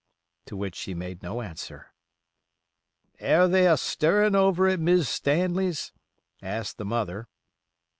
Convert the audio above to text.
To which she made no answer. "Air they a stirrin' over at Mis's Stanley's?" asked the mother.